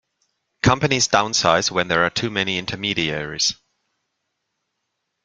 Companies downsize when there are too many intermediaries.